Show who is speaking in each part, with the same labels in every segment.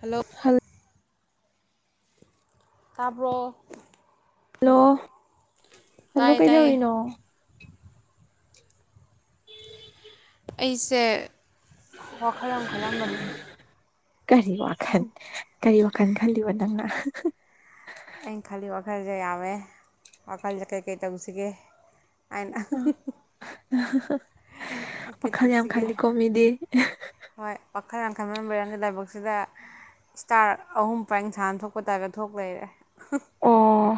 Speaker 1: hello ꯇꯥꯕ꯭ꯔꯣ
Speaker 2: hello hello
Speaker 1: ꯇꯥꯏꯌꯦ ꯇꯥꯏꯌꯦ
Speaker 2: ꯀꯩꯗꯧꯔꯤꯅꯣ
Speaker 1: ꯑꯩꯁꯦ ꯋꯥꯈꯜ ꯑꯃ ꯈꯠꯂꯝꯕꯅꯦ
Speaker 2: ꯀꯔꯤ ꯋꯥꯈꯜ ꯀꯔꯤ ꯋꯥꯈꯜ ꯈꯜꯂꯤꯕ ꯅꯪꯅ
Speaker 1: ꯑꯩꯅ ꯈꯂꯤ ꯋꯥꯈꯜꯁꯦ ꯌꯥꯝꯃꯦ ꯋꯥꯈꯜꯁꯦ ꯀꯩꯀꯩ ꯇꯧꯁꯤꯒꯦ ꯑꯩꯅ
Speaker 2: ꯍꯥ ꯍꯥ ꯍꯥ ꯋꯥꯈꯜ ꯌꯥꯝ
Speaker 1: ꯇꯧꯁꯤꯒꯦ
Speaker 2: ꯈꯜꯂꯤꯀꯣ ꯃꯤꯗꯤ ꯍꯥ ꯍꯥ
Speaker 1: ꯍꯣꯏ ꯋꯥꯈꯜ ꯌꯥꯝ ꯈꯟꯕꯩꯔ ꯈꯪꯗꯦ ꯂꯥꯏꯕꯛꯁꯤꯗ ꯏꯁꯇꯥꯔ ꯑꯍꯨꯝ ꯄꯔꯦꯡ ꯁꯥꯡꯅ ꯊꯣꯛꯄꯩ ꯇꯥꯏꯞ ꯊꯣꯛ ꯂꯩꯔꯦ ꯍꯥ ꯍꯥ
Speaker 2: ꯑꯣ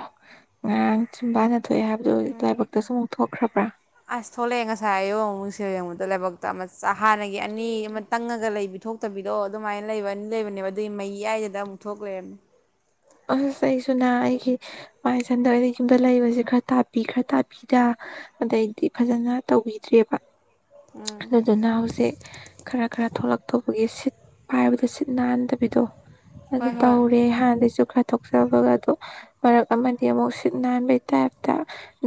Speaker 2: ꯉꯔꯥꯡ ꯁꯨꯝꯕꯥꯅ ꯊꯣꯛꯑꯦ ꯍꯥꯏꯕꯗꯣ ꯂꯥꯏꯕꯛꯇꯁꯨ ꯑꯃꯨꯛ ꯊꯣꯛꯈ꯭ꯔꯕ꯭ꯔꯥ
Speaker 1: ꯑꯁ ꯊꯣꯛꯂꯛꯑꯦ ꯉꯁꯥꯏ ꯑꯌꯨꯛ ꯑꯃꯨꯛ ꯃꯤꯡꯁꯦꯜ ꯌꯦꯡꯉꯨꯗ ꯂꯥꯏꯕꯛꯇ ꯑꯃ ꯍꯥꯟꯅꯒꯤ ꯑꯅꯤ ꯑꯃ ꯇꯪꯉꯒ ꯂꯩꯕ ꯊꯣꯛꯇꯕꯤꯗꯣ ꯑꯗꯨꯃꯥꯏꯅ ꯂꯩꯕ ꯑꯅꯤ ꯂꯩꯕꯅꯦꯕ ꯑꯗꯨꯒꯤ ꯃꯩꯌꯥꯏꯁꯤꯗ ꯑꯃꯨꯛ ꯊꯣꯛ ꯂꯩꯔꯝꯃꯦ
Speaker 2: ꯑꯁ ꯑꯩꯁꯨ ꯅꯍ ꯑꯩꯒꯤ ꯃꯥꯏꯁꯟꯗ ꯑꯣꯏꯅ ꯌꯨꯝꯗ ꯂꯩꯕꯁꯦ ꯈꯔ ꯇꯥꯛꯄꯤ ꯈꯔ ꯇꯥꯛꯄꯤꯗ ꯑꯗꯩꯗꯤ ꯐꯖꯅ ꯇꯧꯕꯤꯗ꯭ꯔꯦꯕ ꯑꯗꯨꯗꯨꯅ ꯍꯧꯖꯤꯛ ꯈꯔ ꯈꯔ ꯊꯣꯛꯂꯛꯇ ꯑꯩꯈꯣꯏꯒꯤ ꯁꯤꯠ ꯄꯥꯏꯕꯗ ꯁꯤꯠ ꯅꯥꯟꯗꯕꯤꯗꯣ ꯑꯗꯨ
Speaker 1: ꯍꯣꯏ ꯍꯣꯏ
Speaker 2: ꯇꯧꯔꯦ ꯍꯥꯟꯅꯩꯁꯨ ꯊꯣꯛꯆꯕꯒ ꯑꯗꯨ ꯃꯔꯛ ꯑꯃꯗꯤ ꯑꯃꯨꯛ ꯁꯤꯠ ꯅꯥꯟꯕꯒꯤ ꯇꯥꯏꯞꯇ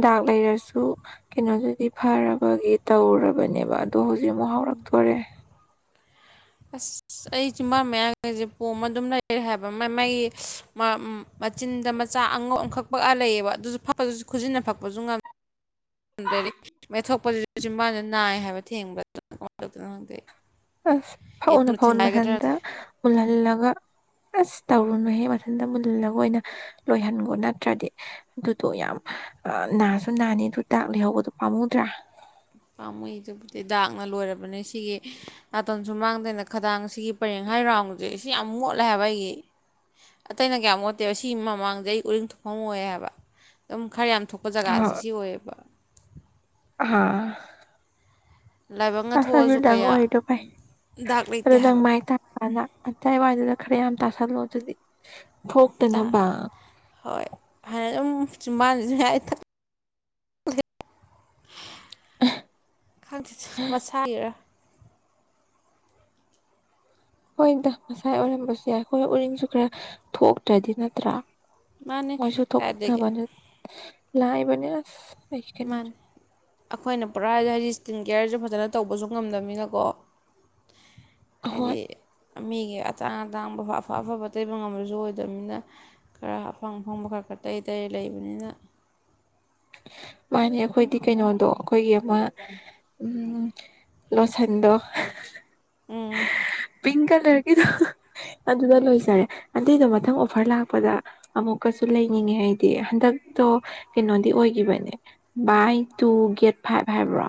Speaker 2: ꯗꯥꯛ ꯂꯩꯔꯁꯨ ꯀꯩꯅꯣꯗꯨꯗꯤ ꯐꯔꯕꯒꯤ ꯇꯧꯔꯕꯅꯦꯕ ꯑꯗꯣ ꯍꯧꯖꯤꯛ ꯑꯃꯨꯛ ꯍꯧꯥꯎꯔꯛꯇꯣꯔꯦ
Speaker 1: [inaudible] ꯑꯁ ꯑꯩ ꯆꯤꯟꯕꯥꯟ ꯃꯌꯥ ꯒꯤꯁꯦ ꯄꯣꯝꯃ ꯑꯗꯨꯝ ꯂꯩꯔꯦ ꯍꯥꯏꯕ ꯃꯥ ꯃꯥꯒꯤ ꯃꯥ ꯃꯆꯤꯟꯗ ꯃꯆꯥ ꯑꯉꯧ ꯑꯃꯈꯛꯄꯛꯑ ꯂꯩꯌꯦꯕ ꯑꯗꯨꯁꯨ ꯐꯛꯄꯗꯨꯁꯨ ꯈꯨꯖꯤꯟꯅ ꯐꯛꯄꯁꯨ ꯉꯝꯃꯦ ꯑꯗ ꯒꯤ ꯊꯣꯛꯣꯛꯄꯁꯤ ꯁꯤ ꯃꯥꯅ ꯅꯥꯏ ꯍꯥꯏꯕ ꯊꯦꯡꯕꯗ ꯀꯃꯥꯏ ꯇꯧꯗꯣꯏꯅꯣ ꯈꯪꯗꯦ
Speaker 2: ꯑꯁ ꯐꯥꯎꯅꯣ
Speaker 1: ꯌꯦꯇꯨꯅ
Speaker 2: ꯐꯥꯎꯅꯣ
Speaker 1: ꯊꯤꯡꯒꯥꯏꯒꯗ꯭ꯔꯥ
Speaker 2: ꯃꯊꯟꯇ
Speaker 1: ꯈꯪꯗꯦ
Speaker 2: ꯃꯨꯜꯍꯜꯂꯒ ꯑꯁ ꯇꯧꯔꯨꯅꯨꯍꯦ ꯃꯊꯟꯇ ꯃꯨꯜꯂꯒ ꯑꯣꯏꯅ ꯂꯣꯏꯍꯟꯈꯣ ꯅꯠꯇ꯭ꯔꯗꯤ ꯑꯗꯨꯗꯣ ꯌꯥꯝ ꯅꯥꯁꯨ ꯅꯥꯅꯤ ꯑꯗꯨ ꯇꯥꯛ ꯂꯩꯍꯧꯕꯗꯨꯣ ꯄꯥꯝꯃꯨꯗ꯭ꯔꯥ
Speaker 1: ꯄꯥꯝꯃꯨꯏꯗꯨꯕꯨꯗꯤ ꯗꯥꯛꯅ ꯂꯣꯏꯔꯕꯅꯤ ꯁꯤꯒꯤ ꯅꯥꯇꯣꯟꯁꯨ ꯁꯨꯃꯥꯡꯗꯅ ꯈꯗꯥꯡ ꯁꯤꯒꯤ ꯄꯔꯦꯡ ꯃꯥꯏ ꯔꯥꯎꯟꯒꯁꯦ ꯁꯤ ꯌꯥꯝ ꯃꯣꯠꯂꯦ ꯍꯥꯏꯕ ꯑꯩꯒꯤ ꯑꯇꯩꯅ ꯀꯌꯥꯝ ꯃꯣꯠꯇꯦꯕ ꯁꯤ ꯃꯃꯥꯡꯗ ꯑꯩ ꯎꯔꯤꯡ ꯊ ꯊꯣꯛꯐꯝ ꯑꯣꯏ ꯍꯥꯏꯕ ꯑꯗꯨꯝ ꯈꯔ ꯌꯥꯝ ꯊꯣꯛꯄ ꯖꯒꯥꯁꯦ ꯁꯤ ꯑꯣꯏꯌꯦꯕ
Speaker 2: ꯍꯥꯥ
Speaker 1: ꯂꯥꯏꯕꯛꯅ
Speaker 2: ꯑꯁꯣꯏꯕ
Speaker 1: ꯊꯣꯛꯑꯁꯨ
Speaker 2: ꯗꯥꯛ
Speaker 1: ꯀꯌꯥ
Speaker 2: ꯑꯣꯏꯔꯤꯗꯣ ꯐꯩ
Speaker 1: ꯗꯥꯛ
Speaker 2: ꯑꯗꯨ
Speaker 1: ꯂꯩꯇꯦ
Speaker 2: ꯅꯪ
Speaker 1: ꯍꯥꯏꯕ
Speaker 2: ꯃꯥꯏ ꯇꯥꯅ ꯑꯇꯩ ꯋꯥꯏꯗꯨꯅ ꯈꯔ ꯌꯥꯝ ꯇꯥꯁꯜꯂꯣ ꯑꯗꯨꯗꯤ ꯊꯣꯛꯇꯅꯕ
Speaker 1: ꯆꯤꯟꯕꯥꯟꯖꯨ ꯌꯥꯏ ꯊꯠ ꯈꯪꯇꯦꯇ ꯃꯁꯥꯒꯤꯔ
Speaker 2: ꯍꯣꯏꯗ ꯃꯁꯥꯏ ꯑꯣꯏꯔꯝꯕꯁꯨ ꯌꯥꯏ ꯍꯣꯏ ꯎꯔꯤꯡꯁꯨ ꯈꯔ ꯊꯣꯛꯇ꯭ꯔꯗꯤ ꯅꯠꯇ꯭ꯔꯥ
Speaker 1: ꯃꯥꯅꯦ
Speaker 2: ꯃꯣꯏꯁꯨ
Speaker 1: ꯀꯥꯏꯗꯒꯤ
Speaker 2: ꯊꯣꯛꯞꯅꯕꯅꯤ ꯂꯥꯏꯕꯅꯤꯁ
Speaker 1: ꯃꯥꯅꯤ ꯑꯩꯈꯣꯏꯅ ꯄꯨꯔꯥ ꯍꯥꯏꯗꯤ ꯏꯁꯀꯤꯟ ꯀꯦꯌꯔꯁꯨ ꯐꯖꯅ ꯇꯧꯕꯁꯨ ꯉꯝꯗꯕꯅꯤꯅꯀꯣ
Speaker 2: ꯑꯍꯣꯏ
Speaker 1: ꯍꯥꯏꯗꯤ ꯃꯤꯒꯤ ꯑꯇꯥꯡ ꯑꯇꯥꯡꯕ ꯑꯐ ꯑꯐꯕ ꯇꯩꯕ ꯉꯝꯕꯁꯨ ꯑꯣꯏꯗꯕꯅꯤꯅ ꯈꯔ ꯑꯐꯪ ꯑꯐꯪꯕ ꯈꯔ ꯇꯩꯔ ꯇꯩꯔ ꯂꯩꯕꯅꯤꯅ
Speaker 2: ꯃꯥꯅꯦ ꯑꯩꯈꯣꯏꯗꯤ ꯀꯩꯅꯣꯗꯣ ꯑꯩꯈꯣꯏꯒꯤ ꯑꯃ ꯎꯝ ꯂꯣꯁꯟꯗꯣ ꯍꯥ ꯍꯥ
Speaker 1: ꯎꯝ
Speaker 2: ꯄꯤꯡ ꯀꯂꯔꯒꯤꯗꯣ ꯑꯗꯨꯗ ꯂꯣꯏꯖꯔꯦ ꯑꯗꯨꯗꯣ ꯃꯊꯪ ꯑꯣꯐꯔ ꯂꯥꯛꯄꯗ ꯑꯃꯨꯛꯀꯁꯨ ꯂꯩꯅꯤꯡꯉꯦ ꯑꯩꯗꯤ ꯍꯟꯗꯛꯇꯣ ꯀꯩꯅꯣꯗꯤ ꯑꯣꯏ ꯒꯤꯕꯅꯦ ꯕꯥꯏ ꯇꯨ ꯒꯦꯠ ꯐꯥꯏꯚ ꯍꯥꯏꯕ꯭ꯔꯣ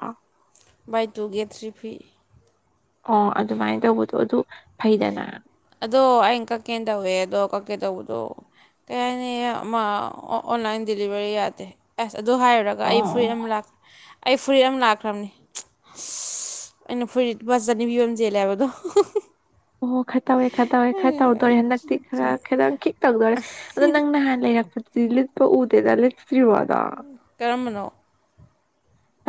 Speaker 1: ꯕꯥꯏ ꯇꯨ ꯒꯦꯠ ꯊ꯭ꯔꯤ ꯐ꯭ꯔꯤ
Speaker 2: ꯑꯣ ꯑꯗꯨꯃꯥꯏꯅ ꯇꯧꯕꯗꯣ ꯑꯗꯨ ꯐꯩꯗꯅꯥ
Speaker 1: ꯑꯗꯣ ꯑꯩꯅ ꯀꯛꯀꯦꯅ ꯇꯧꯋꯦ ꯑꯗꯣ ꯀꯛꯀꯦ ꯇꯧꯕꯗꯣ ꯀꯩ ꯍꯥꯏꯅꯤ ꯑꯃ ꯑꯣꯟꯂꯥꯏꯟ ꯗꯦꯂꯤꯚꯔꯤ ꯌꯥꯗꯦ ꯑꯦ ꯑꯗꯨ ꯍꯥꯏꯔꯨꯔꯒ ꯑꯩ
Speaker 2: ꯑꯣ
Speaker 1: ꯐꯨꯔꯤꯠ ꯑꯃꯔꯥ ꯑꯩ ꯐꯨꯔꯤꯠ ꯑꯃ ꯂꯥꯛꯈ꯭ꯔꯝꯅꯤ ꯑꯁ ꯑꯩꯅ ꯐꯨꯔꯤꯠ ꯂꯨꯄꯥ ꯆꯅꯤ ꯄꯤꯕꯃ ꯆꯦꯜꯂꯦ ꯍꯥꯏꯕꯗꯣ ꯍꯣ ꯍꯣ
Speaker 2: ꯑꯣ ꯈꯠ ꯇꯧꯋꯦ ꯈꯔ ꯇꯧꯋꯦ ꯈꯔ ꯇꯧꯗꯣꯔꯦ ꯍꯟꯗꯛꯇꯤ ꯈꯔ ꯈꯔ ꯈꯤꯛ ꯇꯧꯗꯣꯔꯦ ꯑꯗꯣ ꯅꯪ ꯅꯍꯥꯟ ꯂꯩꯔꯛꯄ ꯗꯤ ꯂꯤꯠꯄ ꯎꯗꯦꯗ ꯂꯤꯠꯇ꯭ꯔꯤꯕꯣ ꯑꯗꯣ
Speaker 1: ꯀꯔꯝꯕꯅꯣ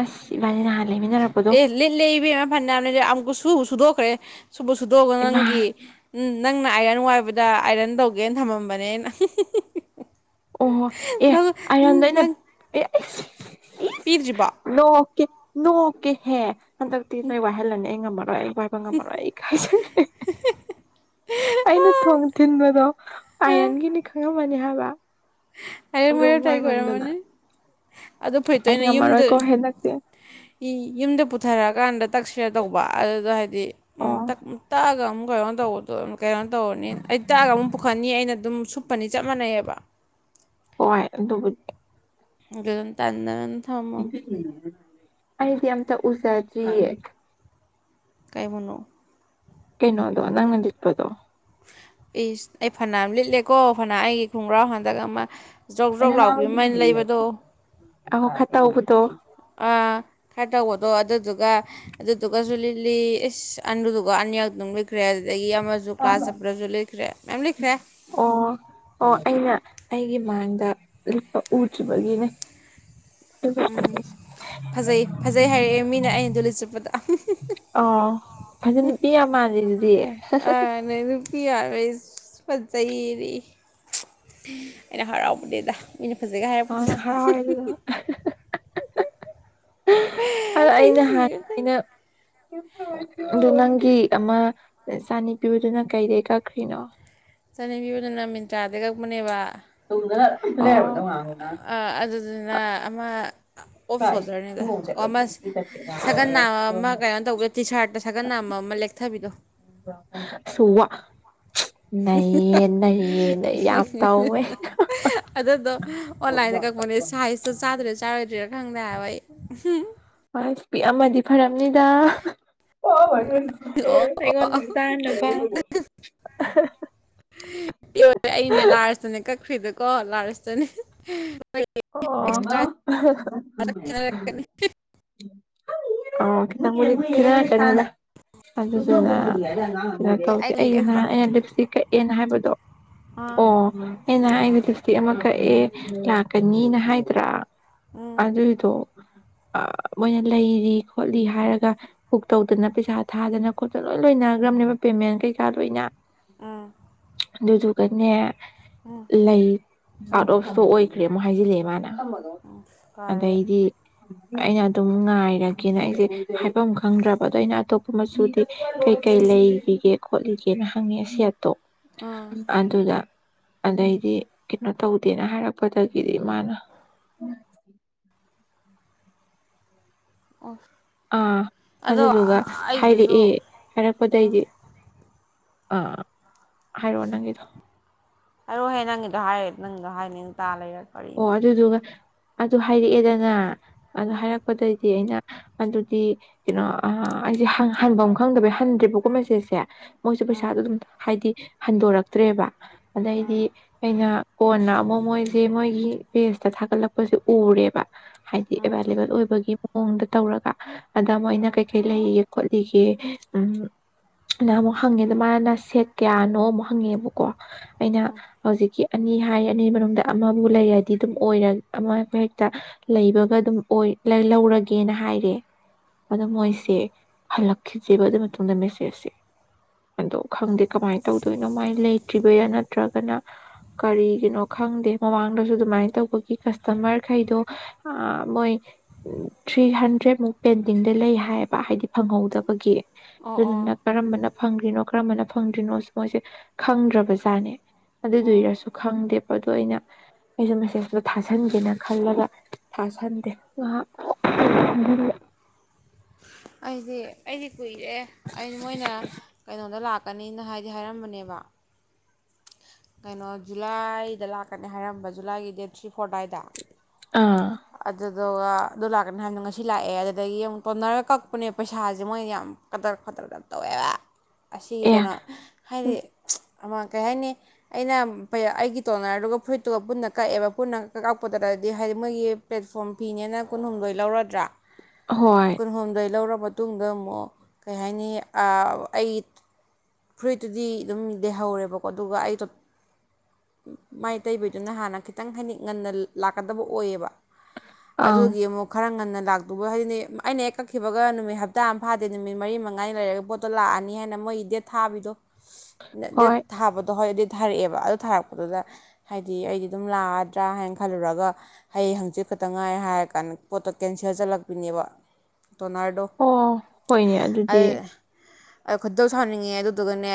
Speaker 2: ꯑꯁꯤ ꯏꯕꯥꯅꯤ ꯅꯍꯥꯟ ꯂꯩꯃꯤꯟꯅꯔꯛꯄꯗꯣ
Speaker 1: ꯑꯦ ꯂꯤꯠꯂꯦ ꯏꯕꯦꯝꯃ ꯐꯅ꯭ꯌꯥꯝ ꯂꯤꯠꯂꯦ ꯑꯃꯨꯛꯁꯨ ꯁꯨꯕꯨ ꯁꯨꯗꯣꯛꯈ꯭ꯔꯦ ꯁꯨꯕꯨ ꯁꯨꯗꯣꯛꯑꯒ
Speaker 2: ꯏꯃꯥ
Speaker 1: ꯅꯪꯒꯤ ꯅꯪꯅ ꯑꯥꯏꯔꯟ ꯅꯨꯡꯉꯥꯏꯕꯗ ꯑꯥꯏꯔꯟ ꯇꯧꯒꯦꯅ ꯊꯝꯃꯝꯕꯅꯦ ꯑꯩꯅ ꯍꯨꯡ ꯍꯨꯡ ꯍꯨꯡ ꯍꯨꯡ
Speaker 2: ꯑꯣꯍꯣ ꯑꯦ ꯑꯥꯏꯔꯟꯗꯣ ꯑꯩꯅ ꯄꯦꯠ ꯁꯁ ꯏꯁ
Speaker 1: ꯄꯤꯗ꯭ꯔꯤꯕꯣ ꯑꯥ
Speaker 2: ꯅꯣꯛꯀꯦ ꯅꯣꯛꯀꯦꯍꯦ ꯍꯟꯗꯛꯇꯤ ꯅꯣꯏ ꯋꯥꯏꯍꯜꯂꯅꯤ ꯑꯩ ꯉꯝꯃꯔꯣꯏ ꯑꯩ ꯋꯥꯏꯕ ꯉꯝꯃꯔꯣꯏ ꯑꯩ ꯏꯀꯥꯏꯖꯔꯦ ꯍꯦ ꯍꯦ ꯑꯩꯅ ꯊꯣꯡ ꯊꯤꯟꯕꯗꯣ ꯑꯥꯏꯌꯟꯒꯤꯅꯤ ꯈꯪꯉꯝꯃꯅꯤ ꯍꯥꯏꯕ
Speaker 1: ꯍꯌꯦꯡ
Speaker 2: ꯑꯗꯨꯝ
Speaker 1: ꯃꯣꯏꯔꯧ ꯇꯩ
Speaker 2: ꯋꯥꯏꯃꯟꯗꯅ
Speaker 1: ꯈꯣꯏꯔꯝꯃꯅꯤ ꯑꯗꯨ ꯐꯨꯔꯤꯠꯇꯣ
Speaker 2: ꯑꯩ
Speaker 1: ꯑꯩꯅ ꯌꯨꯝꯗ
Speaker 2: ꯉꯝꯃꯔꯣꯏꯀꯣ ꯍꯟꯗꯛꯇꯤ
Speaker 1: ꯌꯨ ꯌꯨꯝꯗ ꯄꯨꯊꯔꯛꯑꯀꯥꯟꯗ ꯇꯛꯁꯤꯔ ꯇꯧꯕ ꯑꯗꯨꯗ ꯍꯥꯏꯗꯤ ꯎꯝ
Speaker 2: ꯑꯣ
Speaker 1: ꯇꯛ ꯇꯛꯑꯒ ꯑꯃꯨꯛ ꯀꯩꯅꯣ ꯇꯧꯕꯗꯣ ꯀꯩꯅꯣ ꯇꯧꯔꯅꯤ ꯑꯩ ꯇꯛꯑꯒ ꯑꯃꯨꯛ ꯄꯨꯈꯠꯅꯤ ꯑꯩꯅ ꯑꯗꯨꯝ ꯁꯨꯞꯄꯅꯤ ꯆꯞ ꯃꯥꯟꯅꯩꯌꯦꯕ
Speaker 2: ꯍꯣꯏ ꯑꯗꯨꯕꯨ
Speaker 1: ꯑꯗꯨꯅ ꯇꯟꯅꯗꯅ
Speaker 2: ꯑꯩꯗꯤ ꯑꯝꯇ ꯎꯖꯗ꯭ꯔꯤꯌꯦ
Speaker 1: ꯀꯩꯕꯨꯅꯣ
Speaker 2: ꯀꯩꯅꯣꯗꯣ ꯅꯪꯅ ꯂꯤꯠꯄꯗꯣ
Speaker 1: ꯑꯩꯁ ꯑꯩ ꯐꯅꯌꯥꯝ ꯂꯤꯠꯂꯦꯀꯣ ꯐꯅ ꯑꯩꯒꯤ ꯈꯣꯡꯒ꯭ꯔꯥꯎ ꯍꯟꯗꯛ ꯑꯃ ꯖꯧ ꯖꯧ ꯂꯥꯎꯕꯤꯕꯃ ꯑꯩꯅ ꯂꯩꯕꯗꯣ
Speaker 2: ꯑꯥꯎ ꯈ ꯇꯧꯕꯗꯣ
Speaker 1: ꯑꯥ ꯈꯔ ꯇꯧꯕꯗꯣ ꯑꯗꯨꯗꯨꯒ ꯑꯗꯨꯗꯨꯒꯖꯨ ꯂꯤꯠꯂꯤ ꯏꯁ ꯑꯟꯗꯨꯒ ꯑꯅꯤ ꯅꯤꯔꯛꯗꯨꯝ ꯂꯤꯠꯈ꯭ꯔꯦ ꯑꯗꯨꯗꯒꯤ ꯑꯃꯖꯨ ꯀ꯭ꯂꯥꯁ ꯆꯠꯄꯗꯁꯨ ꯂꯤꯠꯈ꯭ꯔꯦ ꯃꯌꯥꯝ ꯂꯤꯠꯈ꯭ꯔꯦ
Speaker 2: ꯑꯣ ꯑꯣ ꯑꯩꯅ ꯑꯩꯒꯤ ꯃꯥꯡꯗ ꯂꯤꯠꯄ ꯎꯗ꯭ꯔꯤꯕꯒꯤꯅꯦ ꯑꯗꯨꯒ
Speaker 1: ꯎꯝ ꯐꯖꯩ ꯐꯖꯩ ꯍꯥꯏꯔꯛꯑꯦ ꯃꯤꯅ ꯑꯩꯅ ꯗꯨ ꯂꯤꯠ ꯆꯠꯄꯗ
Speaker 2: ꯑ ꯑꯗ ꯅꯨꯄꯤ ꯌꯥꯝ ꯃꯥꯜꯂꯤꯗꯨꯗꯤ
Speaker 1: ꯄꯤ ꯑꯥꯔ ꯔꯣꯏꯁ ꯐꯖꯩꯔꯤ ꯑꯩꯅ ꯍꯔꯥꯎꯕꯅꯤꯗ ꯑꯩꯅ ꯐꯖꯩꯒ
Speaker 2: ꯃꯥꯅ
Speaker 1: ꯍꯥꯏꯔꯛꯄꯗꯨꯗ
Speaker 2: ꯍꯔꯥꯎꯔꯦ
Speaker 1: ꯍꯨꯝ
Speaker 2: ꯑꯗꯨꯗꯨꯅ
Speaker 1: ꯍꯨꯝ
Speaker 2: ꯑꯥ ꯑꯩ ꯅꯍꯥꯟ ꯑꯩꯅ ꯑꯗꯨ ꯅꯪꯒꯤ ꯑꯃ ꯆꯥꯅꯤꯄꯤꯕꯗꯨꯅ ꯀꯩꯗꯩ ꯀꯛꯈ꯭ꯔꯤꯅꯣ
Speaker 1: ꯆꯠꯅꯤꯄꯤꯕꯗꯨꯅ ꯃꯤꯟꯇ꯭ꯔꯥꯗꯩ ꯀꯛꯄꯅꯦꯕ
Speaker 2: [unintelligible]
Speaker 1: ꯑ ꯥꯑꯗꯨꯗꯨꯅ ꯑꯃ ꯑ ꯑꯣꯐ ꯁꯣꯜꯗꯔꯅꯦꯗ ꯑꯣ ꯑꯃ ꯁꯒꯟ ꯅꯥꯝꯃ ꯑꯃ ꯀꯩꯅꯣ ꯇꯧꯕꯗ ꯇꯤ ꯁꯥꯔꯠꯇ ꯁꯒꯟ ꯅꯥꯝꯃ ꯃ ꯑꯃ ꯂꯦꯛꯊꯕꯤꯗꯣ
Speaker 2: ꯁꯣ ꯋꯥ ꯅꯩꯌꯦ ꯅꯩꯌꯦ ꯅꯣꯏ ꯌꯥꯝ ꯇꯧꯋꯦ ꯍ ꯍ
Speaker 1: ꯑꯗꯨꯗꯣ ꯑꯣꯟꯂꯥꯏꯟꯗ ꯀꯛꯄꯅꯦ ꯁꯥꯏꯖꯇꯣ ꯆꯥꯗ꯭ꯔꯥ ꯆꯥꯔꯣꯏꯗ꯭ꯔ ꯈꯪꯗꯦ [unintelligible]
Speaker 2: ꯑꯁ ꯄꯤꯛ ꯑꯝꯃꯗꯤ ꯐꯔꯝꯅꯤꯗ ꯑꯣ
Speaker 1: ꯑꯣ
Speaker 2: ꯑꯩꯉꯣꯟꯗ ꯆꯥꯅꯕ
Speaker 1: ꯏ ꯑꯩꯅꯦ ꯂꯥꯏꯔ ꯇꯅꯦ ꯀꯛꯈ꯭ꯔꯤꯗꯣꯀꯣ ꯂꯥꯏꯔꯇꯅꯦ
Speaker 2: [unintelligible] [unintelligible] ꯑꯗꯨꯗꯨꯅ ꯀꯩꯅꯣ
Speaker 1: ꯑꯦ
Speaker 2: ꯇꯧꯗꯦ ꯑꯩ
Speaker 1: ꯀꯨꯏꯔꯦ
Speaker 2: ꯅꯍꯥꯟ ꯑꯩꯅ ꯂꯤꯐꯁ꯭ꯇꯤꯛ ꯀꯛꯑꯦꯅ ꯍꯥꯏꯕꯗꯣ
Speaker 1: ꯑꯥ
Speaker 2: ꯑꯣ ꯑꯩꯅ ꯍꯥꯢ ꯂꯤꯐꯁ꯭ꯇꯤꯛ ꯑꯃ ꯀꯛꯑꯦ ꯂꯥꯛꯀꯅꯤꯅ ꯍꯥꯏꯗ꯭ꯔꯥ
Speaker 1: ꯎꯝ
Speaker 2: ꯑꯗꯨꯏꯗꯣ
Speaker 1: [inaudible]
Speaker 2: ꯃꯣꯏꯅ ꯂꯩꯔꯤ ꯈꯣꯠꯂꯤ ꯍꯥꯏꯔꯒ ꯕꯨꯛ ꯇꯧꯗꯅ ꯄꯩꯁꯥ ꯊꯥꯗꯅ ꯈꯣꯠꯇꯅ ꯂꯣꯏ ꯂꯣꯏꯅꯒ꯭ꯔ ꯅꯦꯕ ꯄꯦꯃꯦꯟ ꯀꯩꯀꯥ ꯂꯣꯢꯅ
Speaker 1: ꯎꯝ
Speaker 2: ꯑꯗꯨꯗꯨꯒꯅꯦ ꯂꯩ ꯑꯣꯠ ꯑꯣꯐ ꯏꯁꯇꯣꯛ ꯑꯣꯏꯈ꯭ꯔꯦ ꯑꯃꯨꯛ ꯍꯥꯏꯖꯤꯜꯂꯛꯑꯦ ꯃꯥꯅ
Speaker 1: ꯐꯔꯦ
Speaker 2: ꯑꯗꯩꯗꯤ ꯑꯩꯅ ꯑꯗꯨꯝ ꯉꯥꯏꯔꯒꯦꯅ ꯑꯩꯁꯦ ꯍꯥꯏꯐꯝ ꯈꯪꯗ꯭ꯔꯕ ꯑꯗꯣ ꯑꯩꯅ ꯑꯇꯣꯞꯄ ꯃꯆꯨꯗꯤ ꯀꯩꯀꯩ ꯂꯩꯕꯤꯒꯦ ꯈꯣꯠꯂꯤꯒꯦꯅ ꯍꯪꯉꯤ ꯑꯁꯦꯞ
Speaker 1: ꯎꯝ
Speaker 2: ꯑꯗꯨꯗ ꯑꯗꯩꯗꯤ ꯀꯩꯅꯣ ꯇꯧꯗꯦꯅ ꯍꯥꯏꯔꯛꯄ ꯄꯇ ꯒꯤꯗꯤ ꯃꯥꯅ
Speaker 1: ꯑꯣꯐ
Speaker 2: ꯑꯥ ꯑꯗꯨꯗꯨꯒ
Speaker 1: ꯑꯩꯗꯨꯁꯨ
Speaker 2: ꯍꯥꯏꯔꯛꯑꯦ
Speaker 1: ꯎꯝ
Speaker 2: ꯍꯥꯏꯔꯛꯄꯗꯩꯗꯤ ꯑꯥ ꯍꯥꯏꯔꯛꯑꯣ ꯅꯪꯒꯤꯗꯣ
Speaker 1: ꯍꯥꯢꯔꯛꯑꯣ ꯍꯦ ꯅꯪꯒꯤꯗꯣ ꯍꯥꯏꯔ ꯅꯪꯒꯤꯗꯣ ꯍꯥꯏꯅꯤꯡ ꯇꯥ ꯂꯩꯔꯒꯦ
Speaker 2: ꯑꯣ ꯑꯗꯨꯗꯨꯒ ꯑꯗꯨ ꯍꯥꯏꯔꯛꯑꯦꯗꯅ ꯑꯗꯨ
Speaker 1: ꯎꯝ
Speaker 2: ꯍꯥꯏꯔꯛꯄꯗꯩꯗꯤ ꯑꯩꯅ ꯑꯗꯨꯗꯤ ꯀꯩꯅꯣ ꯑ ꯑꯩꯁꯦ ꯍꯟꯐꯝ ꯈꯪꯗꯕꯩ ꯍꯟꯗ꯭ꯔꯤꯕꯀꯣ ꯃꯁꯦꯠꯁꯦ ꯃꯣꯏꯁꯨ ꯄꯩꯁꯥꯗꯣ ꯑꯗꯨꯝ ꯍꯥꯏꯗꯤ ꯍꯟꯗꯣꯔꯛꯇ꯭ꯔꯦꯕ ꯑꯗꯩꯗꯤ ꯑꯩꯅ ꯀꯣꯟꯅ ꯑꯃꯨꯛ ꯃꯣꯏꯁꯦ ꯃꯣꯏꯒꯤ ꯄꯦꯁꯇ ꯊꯥꯒꯠꯂꯛꯄꯁꯦ ꯎꯔꯦꯕ ꯍꯥꯏꯗꯤ ꯑꯦꯕꯥꯏꯂꯦꯕꯜ ꯑꯣꯏꯕꯒꯤ ꯃꯑꯣꯡꯗ ꯇꯧꯔꯒ ꯑꯗꯥ ꯃꯣꯏꯅ ꯀꯩ ꯀꯩ ꯂꯩꯌꯦ ꯈꯣꯠꯂꯤ ꯉꯦ ꯌꯨꯝ ꯅꯍꯟꯃꯨꯛ ꯍꯪꯉꯦꯗꯨ ꯃꯥꯅꯅ ꯁꯦꯠ ꯀꯌꯥꯅꯣ ꯑꯃꯨꯛ ꯍꯪꯉꯦꯕꯀꯣ ꯑꯩꯅ ꯍꯧꯖꯤꯛꯀꯤ ꯑꯅꯤ ꯍꯥꯏꯔꯤ ꯑꯅꯤ ꯃꯅꯨꯡꯗ ꯑꯃ ꯕꯨ ꯂꯩꯔꯗꯤ ꯑꯗꯨꯝ ꯑꯣꯏꯔ ꯑꯃ ꯍꯦꯛꯇ ꯂꯩꯕꯒ ꯑꯗꯨꯝ ꯑꯣꯏ ꯂꯧꯔꯒꯦꯅ ꯍꯥꯏꯔꯦ ꯑꯗꯨ ꯃꯣꯏꯁꯦ ꯍꯜꯂꯛꯈ꯭ꯔꯤꯗꯦꯕ ꯑꯗꯨꯒꯤ ꯃꯇꯨꯡꯗ ꯃꯦꯁꯦꯁꯁꯦ ꯑꯗꯣ ꯈꯪꯗꯦ ꯀꯃꯥꯏꯅ ꯇꯧꯗꯣꯏꯅꯣ ꯃꯥꯏ ꯂꯩꯇ꯭ꯔꯤꯕꯩꯔ ꯅꯠꯇ꯭ꯔꯒꯅ ꯀꯔꯤꯒꯤꯅꯣ ꯈꯪꯗꯦ ꯃꯃꯥꯡꯗꯁꯨ ꯑꯗꯨꯃꯥꯏꯅ ꯇꯧꯕꯒꯤ ꯀꯁꯇꯃꯔꯈꯩꯗꯣ ꯃꯣꯏ ꯊ꯭ꯔꯤ ꯍꯟ ꯗ꯭ꯔꯦ ꯃꯨꯛ ꯄꯦꯟꯇꯤꯡꯗ ꯂꯩ ꯍꯥꯏꯌꯦꯕ ꯍꯥꯏꯗꯤ ꯐꯪꯍꯧꯗꯕꯒꯤ
Speaker 1: ꯑꯣ ꯑꯣ
Speaker 2: ꯑꯗꯨꯗꯨꯅ ꯀꯔꯝꯕꯅ ꯐꯪꯒꯔꯤꯅꯣ ꯀꯔꯝꯕꯅ ꯐꯪꯗ꯭ꯔꯤꯅꯣꯁꯨ ꯃꯣꯏꯁꯦ ꯈꯪꯗ꯭ꯔꯕꯖꯥꯠꯅꯦ ꯑꯗꯨ
Speaker 1: ꯑꯣ
Speaker 2: ꯗꯨꯢꯔꯁꯨ ꯈꯪꯗꯦꯕ ꯑꯗꯣ ꯑꯩꯅ ꯑꯩꯁꯨ ꯃꯦꯁꯦꯖꯇꯣ ꯊꯥꯖꯟꯒꯦꯅ ꯈꯜꯂꯒ ꯊꯥꯥꯁꯟꯗꯦ ꯉꯥꯍꯥꯛ
Speaker 1: [inaudible] ꯑꯩꯗꯤ ꯑꯩꯗꯤ ꯀꯨꯏꯔꯦ ꯑꯩ ꯃꯣꯏꯅ ꯀꯩꯅꯣꯗ ꯂꯥꯛ ꯂꯥꯛꯀꯅꯤꯅ ꯍꯥꯏꯗꯤ ꯍꯥꯏꯔꯝꯕꯅꯦꯕ ꯀꯩꯅꯣ ꯖꯨꯂꯥꯏꯗ ꯂꯥꯛꯀꯅꯤ ꯍꯥꯏꯔꯝꯕ ꯖꯨꯂꯥꯏꯒꯤ ꯗꯦꯠ ꯊ꯭ꯔꯤ ꯐꯣꯔ ꯑꯗꯨꯋꯥꯏꯗ
Speaker 2: ꯑꯥ
Speaker 1: ꯑꯗꯨ ꯑꯗꯨꯒ ꯑꯗꯨ ꯂꯥꯛꯀꯅꯤ ꯍꯥꯏꯕꯗꯣ ꯉꯁꯤ ꯂꯥꯛꯑꯦ ꯑꯗꯨꯗꯒꯤ ꯑꯃꯨꯛ ꯇꯣꯟꯅꯔꯒ ꯀꯛꯄꯅꯦ ꯄꯩꯁꯥꯁꯦ ꯃꯣꯏꯅ ꯌꯥꯝ ꯀꯗ꯭ꯔ ꯑꯃꯨꯛ ꯀꯗ꯭ꯔ ꯌꯥꯝ ꯇꯧꯋꯦꯕ ꯑꯁꯤꯒꯤ
Speaker 2: ꯑꯦ
Speaker 1: ꯀꯩꯅꯣ ꯍꯥꯏꯗꯤ ꯑꯃ ꯀꯩ ꯍꯥꯏꯅꯤ ꯑꯩꯅ ꯑꯩꯒꯤ ꯇꯣꯅꯔꯗꯨꯒ ꯐꯨꯔꯤꯠꯇꯨꯒ ꯄꯨꯟꯅ ꯀꯛꯑꯦꯕ ꯄꯨꯟꯅ ꯀ ꯀꯛꯄꯗꯨꯗꯗꯤ ꯍꯥꯏ ꯃꯣꯢꯒꯤ ꯄꯂꯦꯠꯐꯣꯝ ꯐꯤꯅꯦꯅ ꯀꯨꯟꯍꯨꯝꯗꯣꯢ ꯂꯧꯔꯗ꯭ꯔ
Speaker 2: ꯍꯣꯏ
Speaker 1: ꯀꯨꯟꯍꯨꯝꯗꯣꯢ ꯂꯧꯔ ꯃꯇꯨꯡꯗ ꯑꯃꯨꯛ ꯀꯩ ꯍꯥꯏꯅꯤ ꯑ ꯑꯩ ꯐꯨꯔꯤꯠꯇꯨꯗꯤ ꯑꯗꯨꯝ ꯂꯩꯍꯧꯔꯦꯕꯀꯣ ꯑꯗꯨꯒ ꯑꯩꯗꯣ ꯃꯥꯏ ꯇꯩꯕꯗꯨꯅ ꯍꯥꯟꯅ ꯈꯤꯇꯪ ꯍꯥꯏꯗꯤ ꯉꯟꯅ ꯂꯥꯛꯀꯗꯕ ꯑꯣꯏꯌꯦꯕ
Speaker 2: ꯑꯪ
Speaker 1: ꯑꯗꯨꯒꯤ ꯑꯃꯨꯛ ꯈꯔ ꯉꯟꯅ ꯂꯥꯛꯇꯨꯒ ꯍꯥꯏꯗꯤ ꯑꯩꯅ ꯍꯦꯛ ꯀꯛꯈꯤꯕꯒ ꯅꯨꯃꯤꯠ ꯍꯞꯇꯥ ꯑꯃ ꯐꯥꯗꯦ ꯅꯨꯃꯤꯠ ꯃꯔꯤ ꯃꯉꯥꯅꯤ ꯂꯩꯔꯒ ꯄꯣꯠꯇꯣ ꯂꯥꯛꯑꯅꯤ ꯍꯥꯏꯅ ꯃꯣꯏ ꯗꯦꯠ ꯊꯥꯕꯤꯗꯣ ꯗꯦꯠ
Speaker 2: ꯍꯣꯏ
Speaker 1: ꯊꯥꯕꯗꯣ ꯍꯣꯏ ꯗ ꯊꯥꯔꯛꯑꯦꯕ ꯑꯗꯨ ꯊꯥꯔꯛꯄꯗꯨꯗ ꯍꯥꯏꯗꯤ ꯑꯩꯗꯤ ꯑꯗꯨꯝ ꯂꯥꯛꯑꯗ꯭ꯔꯥ ꯍꯥꯏꯅ ꯈꯜꯂꯨꯔꯒ ꯍꯌꯦꯡ ꯍꯪꯆꯤꯠ ꯈꯛꯇ ꯉꯥꯏ ꯍꯥꯏꯔ ꯀꯥꯟꯗ ꯄꯣꯠꯇꯣ ꯀꯦꯟꯁꯦꯜ ꯆꯠꯂꯛꯄꯤꯅꯦꯕ ꯇꯣꯅꯔꯗꯣ
Speaker 2: ꯑꯣ ꯍꯣꯏꯅꯦ
Speaker 1: ꯑ
Speaker 2: ꯑꯗꯨꯗꯤ
Speaker 1: ꯑꯩ ꯈꯣꯗꯧ ꯁꯥꯎꯅꯤꯡꯉꯦ ꯑꯗꯨꯗꯨꯒꯅꯦ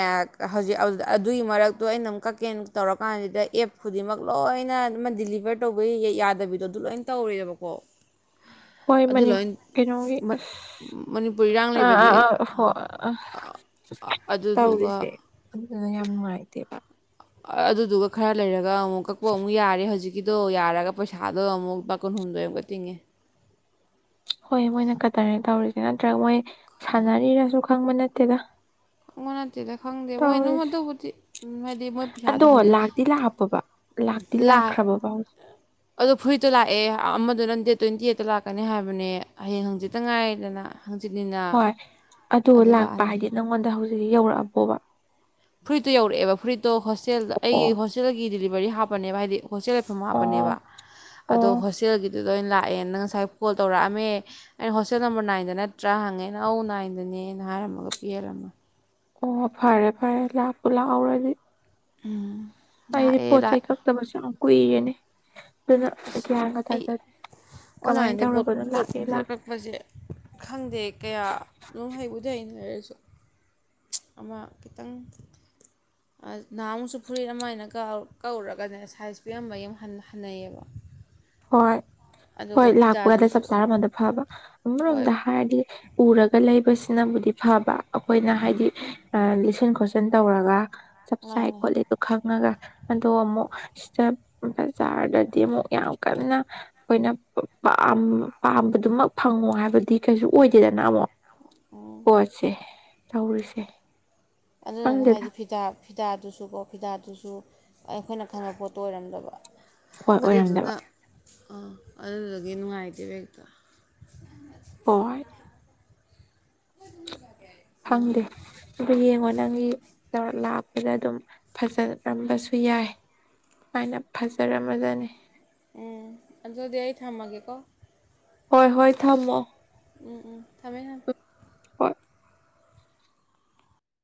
Speaker 1: ꯍꯧꯖꯤꯛ ꯑꯗꯨꯒꯤ ꯃꯔꯛꯇꯣ ꯑꯩꯅ ꯑꯃꯨꯛ ꯀꯛꯀꯦꯟ ꯇꯧꯔꯀꯥꯟꯁꯤꯗ ꯑꯦꯞ ꯈꯨꯗꯤꯡꯃꯛ ꯂꯣꯏ ꯂꯣꯏꯅꯃ ꯗꯤꯂꯤꯚꯔ ꯇꯧꯕꯒꯤ ꯌꯥꯗꯕꯤꯗꯣ ꯑꯗꯨ ꯂꯣꯏ ꯇꯧꯔꯤꯕꯀꯣ
Speaker 2: ꯍꯣꯏ ꯃꯅꯤ ꯀꯩꯅꯣꯒꯤ
Speaker 1: ꯃꯅꯤꯄꯨꯔ ꯏꯔꯥꯡ
Speaker 2: ꯑꯁ ꯑ ꯑ
Speaker 1: ꯂꯩꯕꯒꯤ
Speaker 2: ꯑ ꯍ ꯑ
Speaker 1: ꯑ- ꯑꯗꯨꯗꯨꯒ
Speaker 2: ꯇꯧꯔꯤꯁꯦ ꯑꯗꯨꯗꯨꯅ ꯌꯥꯝ ꯅꯨꯡꯉꯥꯏꯇꯦꯕ
Speaker 1: ꯑꯗꯨꯗꯨꯒ ꯈꯔ ꯂꯩꯔꯒ ꯑꯃꯨꯛ ꯀꯛꯄ ꯑꯃꯨꯛ ꯌꯥꯔꯦ ꯍꯧꯖꯤꯛ ꯀꯤꯗꯣ ꯌꯥꯔꯒ ꯄꯩꯁꯥꯗꯣ ꯑꯃꯨꯛ ꯃꯥ ꯀꯨꯟꯍꯨꯝꯗꯣꯏ ꯑꯃꯨꯛꯀ ꯇꯤꯡꯉꯦ
Speaker 2: ꯍꯣꯏ ꯃꯣꯏꯅ ꯀꯠꯇꯔ ꯇꯧꯔꯤꯁꯦ ꯅꯠꯇ꯭ꯔꯒ ꯃꯣꯏ ꯁꯥꯟꯅꯔꯤꯔꯁꯨ ꯈꯪꯕ ꯅꯠꯇꯦꯗ
Speaker 1: ꯑꯩꯉꯣꯟ ꯅꯠꯇꯦꯗ ꯈꯪꯗꯦ ꯃꯣꯏꯅꯨꯝ
Speaker 2: ꯇꯧꯔꯤꯁꯦ
Speaker 1: ꯑꯗꯨꯕꯨꯗꯤ ꯃꯣꯏꯗꯤ ꯃꯣꯏ ꯄꯩꯁꯥꯗꯣ
Speaker 2: ꯑꯗꯣ
Speaker 1: ꯍꯟꯖꯤꯂ
Speaker 2: ꯂꯥꯛꯇꯤ ꯂꯥꯛꯄꯕ ꯂꯥꯛꯇꯤ
Speaker 1: ꯂꯥꯛ
Speaker 2: ꯂꯥꯛꯈ꯭ꯔꯕꯕ ꯍꯧꯖꯤꯛ
Speaker 1: ꯑꯗꯣ ꯐꯨꯔꯤꯠꯇꯣ ꯂꯥꯛꯑꯦ ꯑꯃꯗꯨꯅ ꯗꯦꯠ ꯇ꯭ꯋꯦꯟꯇꯤ ꯑꯩꯠꯇ ꯂꯥꯛꯀꯅꯤ ꯍꯥꯏꯕꯅꯦ ꯍꯌꯦꯡ ꯍꯪꯖꯤꯠꯇ ꯉꯥꯏꯔꯦꯗꯅ
Speaker 2: ꯍꯣꯏ ꯑꯗꯨ ꯂꯥꯛꯄ
Speaker 1: ꯂꯥꯛꯑꯅꯤ
Speaker 2: ꯍꯥꯏꯗꯤ ꯅꯪꯉꯣꯟꯗ ꯍꯧꯖꯤꯛ ꯌꯧꯔꯛꯑꯕꯣꯕ
Speaker 1: ꯐꯨꯔꯤꯠꯇꯣ ꯌꯧꯔꯛꯑꯦꯕ ꯐꯨꯔꯤꯠꯇꯣ ꯍꯣꯁꯇꯦꯜꯗ ꯑꯩꯒꯤ
Speaker 2: ꯑꯣ
Speaker 1: ꯍꯣꯁꯇꯦꯜꯒꯤ ꯗꯤꯂꯤꯚꯔꯤ ꯍꯥꯞꯄꯅꯦꯕ ꯍꯥꯏꯗꯤ ꯍꯣꯁꯇꯦꯜ ꯂꯩꯐꯝ
Speaker 2: ꯑꯣ
Speaker 1: ꯍꯥꯞꯄꯅꯦꯕ ꯑꯗꯣ
Speaker 2: ꯑꯣ
Speaker 1: ꯍꯣꯁꯇꯦꯜꯒꯤ ꯑꯗꯨꯗꯣꯏ ꯑꯣꯏꯅ ꯂꯥꯛꯑꯦ ꯅꯪ ꯉꯁꯥꯏ ꯀꯣꯜ ꯇꯧꯔꯛꯑꯝꯃꯦ ꯑꯩꯅ ꯍꯣꯁꯇꯦꯜ ꯅꯝꯕꯔ ꯅꯥꯏꯟꯗ ꯅꯠꯇ꯭ꯔꯥ ꯍꯪꯉꯦ ꯑꯩꯅ ꯑꯧ ꯅꯥꯏꯟꯗꯅꯤ ꯅꯦꯅ ꯍꯥꯏꯔꯝꯃꯒ ꯄꯤꯍꯜꯂꯝꯃꯦ
Speaker 2: ꯑꯣ ꯐꯔꯦ ꯐꯔꯦ ꯂꯥꯛꯄꯨ ꯂꯥꯛꯍꯧꯔꯗꯤ
Speaker 1: ꯎꯝ
Speaker 2: ꯑꯩꯗꯤ ꯄꯣꯠ ꯆꯩꯩ ꯀꯛꯇꯕꯁꯨ ꯌꯥꯝ ꯀꯨꯏꯔꯦꯅꯦ ꯑꯗꯨꯅ ꯑꯩ
Speaker 1: ꯑꯁ
Speaker 2: ꯒꯌꯥꯟꯒ
Speaker 1: ꯑꯩ
Speaker 2: ꯊꯥꯖꯗꯦ
Speaker 1: ꯑꯣꯟꯂꯥꯏꯟꯗꯩ ꯄꯣꯠ ꯄꯣꯠ ꯄꯣꯠ ꯀꯛꯄꯁꯦ ꯈꯪꯗꯦ ꯀꯌꯥ ꯅꯨꯡ ꯍꯩꯕꯨꯗꯤ ꯍꯩꯅꯔꯁꯨ ꯑꯃ ꯈꯤꯇꯪ ꯑ ꯅꯍꯥꯃꯨꯛꯁꯨ ꯐꯨꯔꯤꯠ ꯑꯃ ꯑꯩꯅ ꯀꯥꯎ ꯀꯛꯎꯔꯒꯅꯦ ꯁꯥꯏꯖ ꯄꯤꯔꯝꯕ ꯑꯝ ꯍꯟ ꯍꯟꯅꯩꯌꯦꯕ
Speaker 2: ꯍꯣꯏ ꯍꯣꯏ
Speaker 1: ꯑꯗꯨꯒ
Speaker 2: ꯂꯥꯛꯄꯒꯥꯟꯗ ꯆꯞ
Speaker 1: ꯐꯤꯗꯥꯗꯨꯁꯨ
Speaker 2: ꯆꯥꯔ ꯑꯃꯗ ꯐꯕ
Speaker 1: ꯍꯣꯏ
Speaker 2: ꯑꯃꯔꯣꯝꯗ ꯍꯥꯏꯔꯗꯤ ꯎꯔꯒ ꯂꯩꯕꯁꯤꯅꯕꯨꯗꯤ ꯐꯕ ꯑꯩꯈꯣꯏꯅ ꯍꯥꯏꯗꯤ ꯂꯤꯠꯁꯤꯟ ꯈꯣꯠꯆꯤꯟ ꯇꯧꯔꯒ ꯆꯞ ꯆꯥꯏ
Speaker 1: ꯃꯥꯅꯦ
Speaker 2: ꯈꯣꯠꯂꯤꯗꯣ ꯈꯪꯉꯒ ꯑꯗꯣ ꯑꯃꯨꯛ
Speaker 1: ꯍꯣꯏ
Speaker 2: ꯁꯤꯗ ꯑꯝꯇꯪ ꯆꯥꯔꯒꯗꯤ ꯑꯃꯨꯛ ꯌꯥꯝ ꯀꯟꯅ ꯈꯣꯏꯅ ꯄ ꯄꯥꯝ ꯄꯥꯝꯕꯗꯨꯃꯛ ꯐꯪꯉꯣ ꯍꯥꯏꯕꯗꯤ ꯀꯩꯁꯨ ꯑꯣꯏꯗꯦꯗꯅ ꯑꯃꯨꯛ
Speaker 1: ꯎꯝ
Speaker 2: ꯄꯣꯠꯁꯦ ꯇꯧꯔꯤꯁꯦ
Speaker 1: ꯑꯗꯨꯗꯨꯅ
Speaker 2: ꯈꯪꯗꯦꯗ
Speaker 1: ꯍꯥꯏꯗꯤ ꯐꯤꯗꯥꯛ ꯐꯤꯗꯥꯗꯨꯁꯨ ꯀꯣ ꯐꯤꯗꯥꯗꯨꯁꯨ ꯑꯩꯈꯣꯏꯅ ꯈꯪꯕ ꯄꯣꯠꯇꯣ ꯑꯣꯏꯔꯝꯗꯕ
Speaker 2: ꯍꯣꯏ ꯑꯣꯏꯔꯝꯗꯕ
Speaker 1: ꯑ ꯑꯗꯨꯗꯨꯒꯤ ꯅꯨꯉꯥꯏꯇꯦꯕ ꯍꯦꯛꯇ
Speaker 2: [unintelligible]
Speaker 1: [unintelligible] ꯎꯝ
Speaker 2: ꯐꯪꯗꯦ ꯑꯗꯨ ꯌꯦꯡꯉꯣꯅꯦ ꯅꯪꯒꯤ ꯂꯥꯛꯄꯗ ꯑꯗꯨꯝ ꯐꯖꯔꯝꯕꯁꯨ ꯌꯥꯏ ꯃꯥꯏꯅ ꯐꯖꯔꯝꯃꯥꯖꯅꯤ
Speaker 1: ꯎꯝ ꯑ ꯑꯗꯨꯗꯤ ꯑꯩꯏ ꯊꯝꯃꯒꯦꯀꯣ
Speaker 2: ꯍꯣꯏ ꯍꯣꯏ ꯊꯝꯃꯣ
Speaker 1: ꯎꯝ ꯎꯝ ꯊꯝꯃꯦ ꯊꯝꯃꯦ
Speaker 2: ꯍꯣꯏ